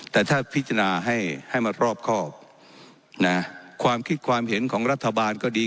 แต่ถ้าพิจารณาให้ให้มันรอบครอบนะความคิดความเห็นของรัฐบาลก็ดี